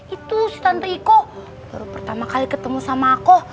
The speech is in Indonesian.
itu si tante iko baru pertama kali ketemu sama aku